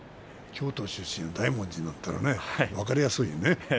京都出身の大文字だったら分かりやすいよね